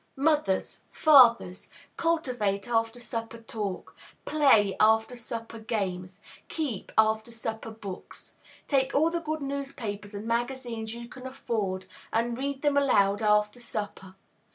Mothers, fathers! cultivate "after supper talk;" play "after supper games;" keep "after supper books;" take all the good newspapers and magazines you can afford, and read them aloud "after supper."